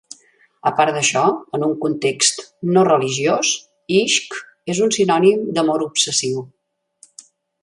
A part d'això, en un context no religiós, "ishq" és un sinònim d'amor obsessiu.